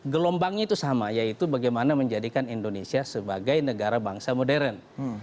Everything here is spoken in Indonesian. gelombangnya itu sama yaitu bagaimana menjadikan indonesia sebagai negara bangsa modern